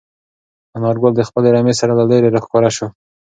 انارګل د خپلې رمې سره له لیرې راښکاره شو.